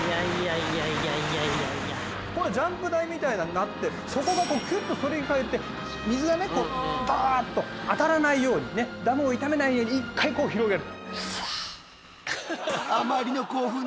これジャンプ台みたいになってそこがキュッと反り返って水がねダッと当たらないようにねダムを傷めないように一回こう広げる。